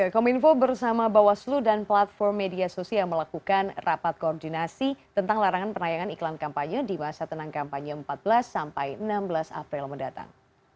kominfo bersama bawaslu dan platform media sosial melakukan rapat koordinasi tentang larangan penayangan iklan kampanye di masa tenang kampanye empat belas sampai enam belas april mendatang